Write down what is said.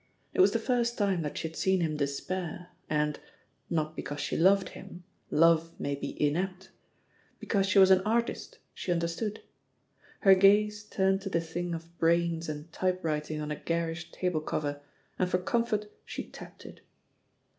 It was the first time that she had seen him despair, and — ^not because she loved him, love may be inept — ^because she was an art ist she imderstood. Her gaze turned to the thing of brains and typewriting on a garish table cover, and for comfort she tapped it.